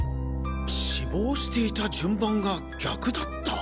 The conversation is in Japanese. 死亡していた順番が逆だった！？